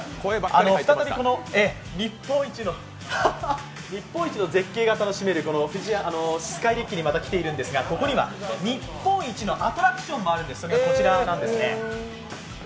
再び日本一の絶景が楽しめるスカイデッキに来ているんですがここには日本一のアトラクションもあるんです、こちらなんですね。